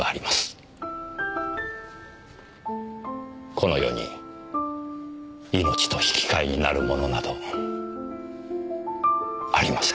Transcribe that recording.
この世に命と引き換えになるものなどありません。